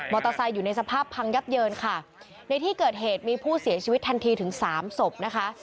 มอเตอร์ไซค์อยู่ในสภาพพังยับหยินในที่เกิดเหตุมีผู้เสียชีวิตทันทีถึง๓ศพนะคะ